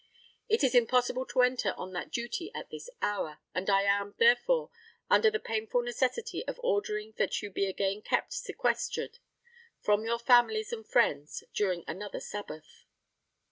It is impossible to enter on that duty at this hour, and I am, therefore, under the painful necessity of ordering that you be again kept sequestered from your families and friends during another Sabbath.